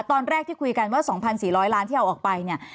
ตอนแรกที่คุยกันว่า๒๔๐๐ล้านที่เอาออกไปเนี่ย